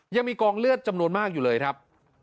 ยังมีกองเลือดจำนวนมากอยู่เลยครับ